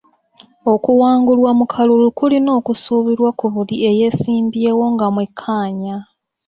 Okuwangulwa mu kalulu kulina okusuubirwa ku buli eyeesimbyewo nga mwekkaanya